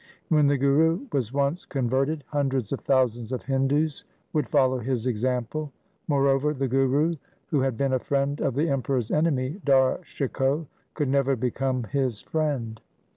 When the Guru was once converted, hundreds of thousands of Hindus would follow his example. Moreover, the Guru, who had been a friend of the Emperor's enemy, Dara Shikoh, could never become his friend.